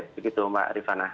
begitu mbak rifana